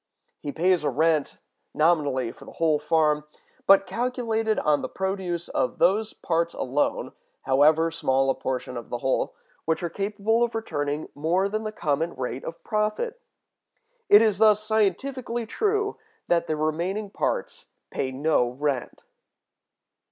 He pays a rent, nominally for the whole farm, but calculated on the produce of those parts alone (however small a portion of the whole) which are capable of returning more than the common rate of profit. It is thus scientifically true that the remaining parts pay no rent.